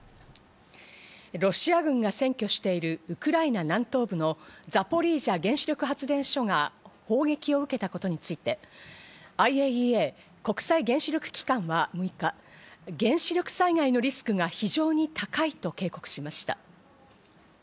ロシア軍が占拠しているウクライナ南東部のザポリージャ原子力発電所が砲撃を受けたことについて、ＩＡＥＡ＝国際原子力機関は６日、原子力災害のリスクが非常に高いと警告しました。